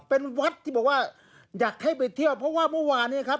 เป็นวัดที่บอกว่าอยากให้ไปเที่ยวเพราะว่าเมื่อวานเนี่ยครับ